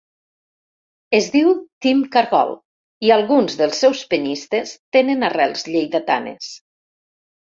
Es diu ‘Team Cargol’ i alguns dels seus penyistes tenen arrels lleidatanes.